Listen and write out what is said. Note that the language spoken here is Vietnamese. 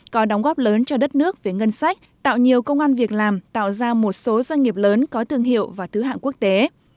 có đóng góp lớn cho đất nước về ngân sách tạo nhiều công an việc làm tạo ra một số doanh nghiệp lớn có thương hiệu và thứ hạng quốc tế